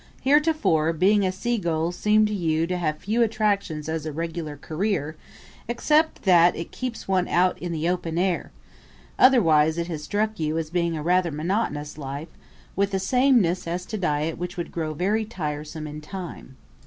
Heretofore, being a sea gull seemed to you to have few attractions as a regular career, except that it keeps one out in the open air; otherwise it has struck you as being rather a monotonous life with a sameness as to diet which would grow very tiresome in time.